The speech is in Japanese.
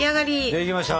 できました！